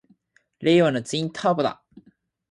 令和のツインターボだ！